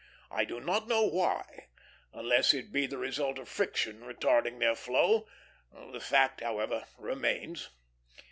I do not know why, unless it be the result of friction retarding their flow; the fact, however, remains.